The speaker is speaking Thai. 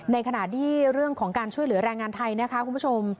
ในขณะที่เรื่องของการช่วยเหลือแรงงานไทยนะคะคุณผู้ชม